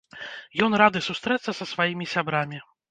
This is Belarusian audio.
Ён рады сустрэцца са сваімі сябрамі.